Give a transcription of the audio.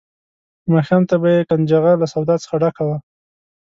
ماښام ته به یې کنجغه له سودا څخه ډکه وه.